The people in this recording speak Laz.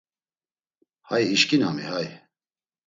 Hay işǩinami hay!